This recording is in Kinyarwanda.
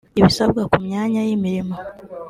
ibisabwa ku myanya y’imirimo